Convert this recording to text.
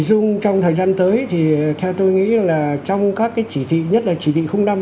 trong thời gian tới thì theo tôi nghĩ là trong các cái chỉ thị nhất là chỉ thị năm